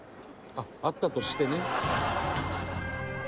「あっあったとしてね」